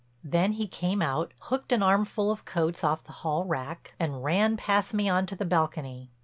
Then he came out, hooked an armful of coats off the hall rack, and ran past me on to the balcony.